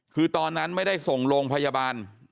คือตอนนั้นไม่ได้ส่งโรงพยาบาล